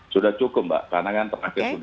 sudah cukup mbak karena kan terakhir sudah